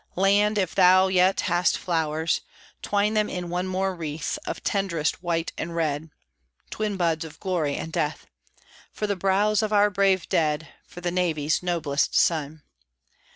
Land, if thou yet hast flowers, Twine them in one more wreath Of tenderest white and red (Twin buds of glory and death!), For the brows of our brave dead, For thy Navy's noblest son.